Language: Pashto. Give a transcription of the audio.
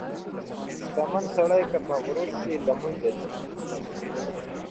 • شتمن سړی که مغرور شي، له منځه ځي.